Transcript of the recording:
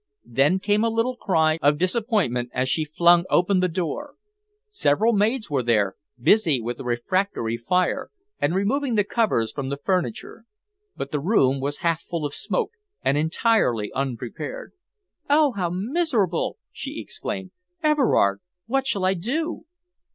Then came a little cry of disappointment as she flung open the door. Several maids were there, busy with a refractory fire and removing the covers from the furniture, but the room was half full of smoke and entirely unprepared. "Oh, how miserable!" she exclaimed. "Everard, what shall I do?"